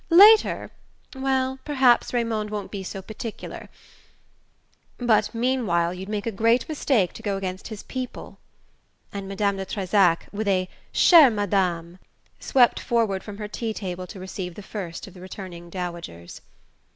Later ... well, perhaps Raymond won't be so particular; but meanwhile you'd make a great mistake to go against his people " and Madame de Trezac, with a "Chere Madame," swept forward from her tea table to receive the first of the returning dowagers.